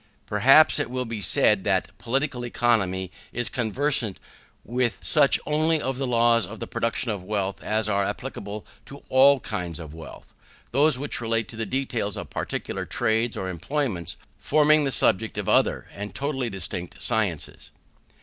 Perhaps it will be said, that Political Economy is conversant with such only of the laws of the production of wealth as are applicable to all kinds of wealth: those which relate to the details of particular trades or employments forming the subject of other and totally distinct sciences.